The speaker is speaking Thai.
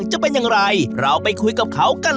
ก็ทำกระเป๋าก็อยากจัง